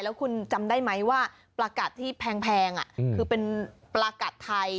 แล้วคุณจำได้ไหมว่าปลากัดที่แพงคือเป็นปลากัดไทย